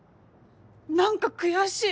何か悔しい！